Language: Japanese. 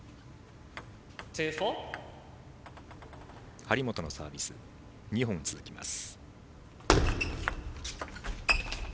張本のサービス２本続きます。